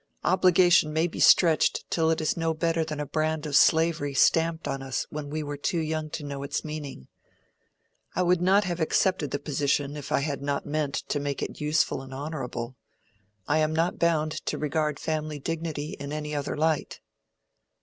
Obligation may be stretched till it is no better than a brand of slavery stamped on us when we were too young to know its meaning. I would not have accepted the position if I had not meant to make it useful and honorable. I am not bound to regard family dignity in any other light."